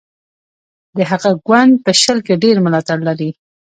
د هغه ګوند په شل کې ډېر ملاتړي لرل.